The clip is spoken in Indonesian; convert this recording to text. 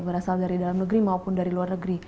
berasal dari dalam negeri maupun dari luar negeri